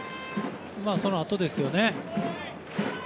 そのあとですよね。